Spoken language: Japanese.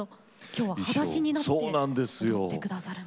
今日ははだしになって歌って下さるんですよね。